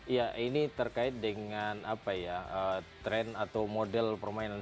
iya ini terkait dengan trend atau model permainan